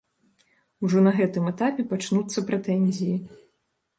Ужо на гэтым этапе пачнуцца прэтэнзіі.